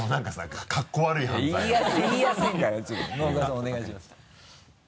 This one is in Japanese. お願いします。